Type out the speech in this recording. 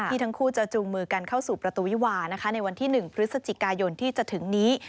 ทั้งคู่จะจูงมือกันเข้าสู่ประตูวิวานะคะในวันที่๑พฤศจิกายนที่จะถึงนี้